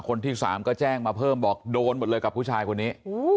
คนที่สามก็แจ้งมาเพิ่มบอกโดนหมดเลยกับผู้ชายคนนี้